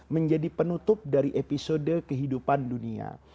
menjadi penutup dari episode kehidupan dunia